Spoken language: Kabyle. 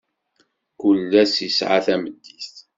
Kul ass isɛa tameddit.